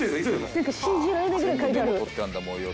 信じられないぐらい書いてある。